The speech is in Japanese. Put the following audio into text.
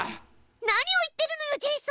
何を言ってるのよジェイソン！